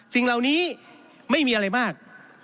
สิ่งเหล่านี้ไม่มีอะไรมาก